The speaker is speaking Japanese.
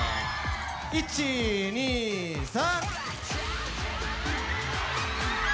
１２３。